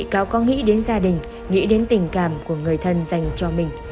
còn có nghĩ đến gia đình nghĩ đến tình cảm của người thân dành cho mình